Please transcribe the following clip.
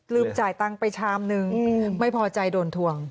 ลืมจ่ายตังไปชามนึงไม่พอใจโดนถ่วง